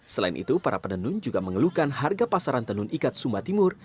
selain itu para penenun juga mengeluhkan harga pasaran tenun ikat sumba timur